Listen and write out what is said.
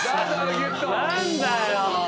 何だよ！